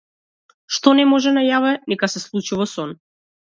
Што не може на јаве, нека се случи во сон.